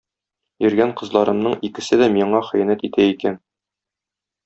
Йөргән кызларымның икесе дә миңа хыянәт итә икән!